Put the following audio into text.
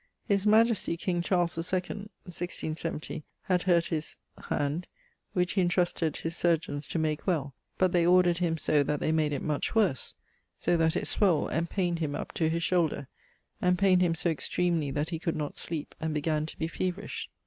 His majestie king Charles II, 167 , had hurt his ... hand, which he intrusted his chirurgians to make well; but they ordered him so that they made it much worse, so that it swoll, and pained him up to his shoulder; and pained him so extremely that he could not sleep, and began to be feaverish.